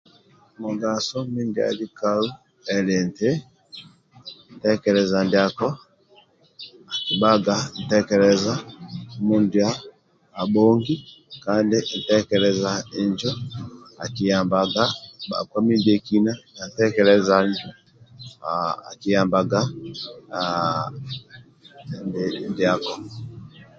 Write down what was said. Mugaso ndia ali kau ali nti tekeleza ndiako akibhaga tekeleza mundia abhongi kandi tekeleza injo akiyambaga nkpa mundiekina ka tekeleza.